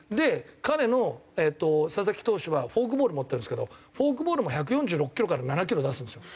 彼の佐々木投手はフォークボール持ってるんですけどフォークボールも１４６キロから１４７キロ出すんですよ。